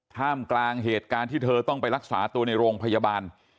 ท่ามกลางเหตุการณ์ที่เธอต้องไปรักษาตัวในโรงพยาบาล